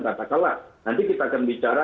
tata kelak nanti kita akan bicara